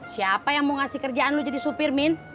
siapa yang mau ngasih kerjaan lu jadi supir min